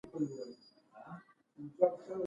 دا کس په خپله یوې اندازې غنمو ته اړتیا لري